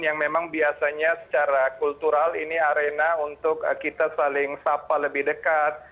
yang memang biasanya secara kultural ini arena untuk kita saling sapa lebih dekat